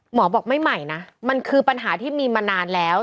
หมอบอกไม่ใหม่นะมันคือปัญหาที่มีมานานแล้ว